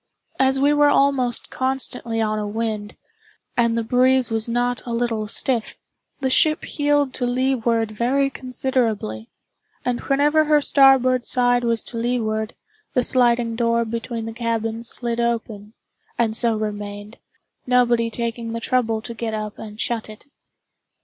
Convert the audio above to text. As we were almost constantly on a wind, and the breeze was not a little stiff, the ship heeled to leeward very considerably; and whenever her starboard side was to leeward, the sliding door between the cabins slid open, and so remained, nobody taking the trouble to get up and shut it.